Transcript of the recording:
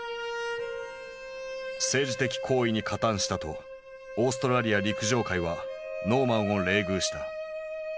政治的行為に加担したとオーストラリア陸上界はノーマンを冷遇した。